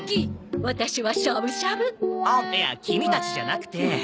いやキミたちじゃなくて。